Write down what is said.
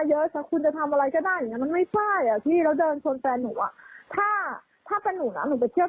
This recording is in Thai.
ทุกคนเคยได้เรียนรู้ว่าตัวเรื่องนี้เหมือนกันนะครับ